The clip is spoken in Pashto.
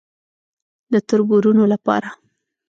_د تربرونو له پاره.